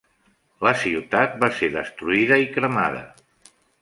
La ciutat va ser destruïda i cremada.